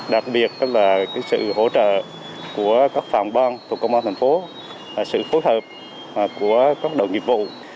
đặc biệt là sự hỗ trợ của các phòng ban thuộc công an thành phố sự phối hợp của các đội nghiệp vụ